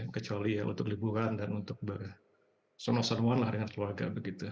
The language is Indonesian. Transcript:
kecuali untuk liburan dan untuk bersenang senang dengan keluarga